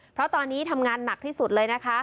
เพราะตอนนี้ทำงานหนักที่สุดเลยนะคะ